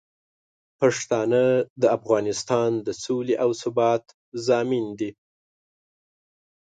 پښتانه د افغانستان د سولې او ثبات ضامن دي.